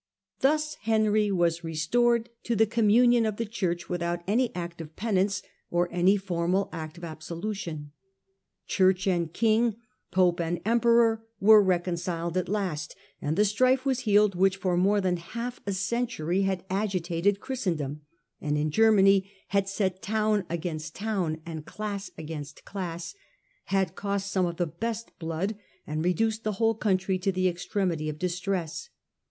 Thus Henry was restored to the communion of the Church without any act of penance, or any formal act of abso lution. Church and king, pope and emperor were reconciled at last, and the strife was healed which for more than half a century had agitated Christendom^ and in Germany had set town against towu and class against class, had cost some of the best blood, and re duced the whole country to the extremity of distress.